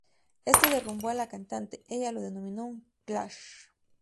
Esto derrumbó a la cantante; ella lo denominó un "crash".